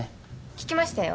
聞きましたよ